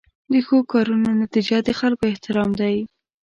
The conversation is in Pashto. د ښو کارونو نتیجه د خلکو احترام دی.